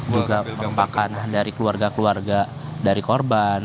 juga merupakan dari keluarga keluarga dari korban